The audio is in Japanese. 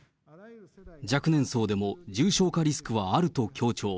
若年層でも重症化リスクはあると強調。